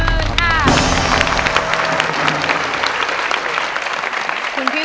อยากเรียน